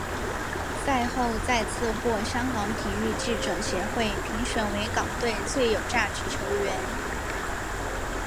赛后再次获香港体育记者协会评选为港队最有价值球员。